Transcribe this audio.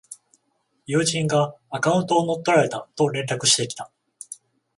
友人がアカウントを乗っ取られたと連絡してきた